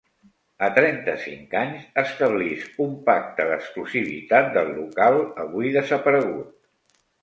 A trenta-cinc anys, establisc un pacte d'exclusivitat del local avui desaparegut.